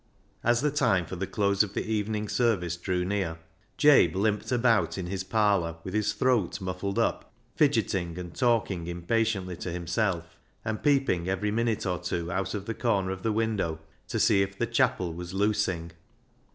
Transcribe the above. As the time for the close of the evening service drew near, Jabe limped about in his 374 BECKSIDE LIGHTS parlour with his throat muffled up, fidgeting and talking impatiently to himself, and peeping every minute or two out of the corner of the window to see if the chapel was " loosing."